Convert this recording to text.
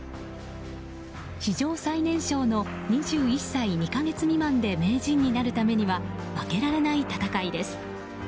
史上最年少の２１歳２か月未満で名人になるためには負けられない戦いです。